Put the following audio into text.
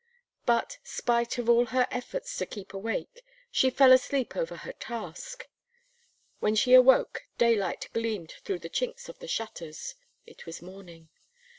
But, spite of all her efforts to keep awake, she fell asleep over her task. When she awoke, daylight gleamed through the chinks of the shutters; it was morning.